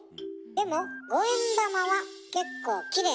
でも五円玉は結構きれいな金色よね？